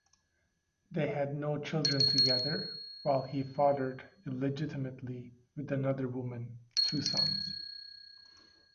They had no children together, while he fathered, illegitimately, with another woman, two sons.